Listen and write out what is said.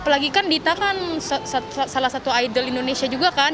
apalagi kan dita kan salah satu idol indonesia juga kan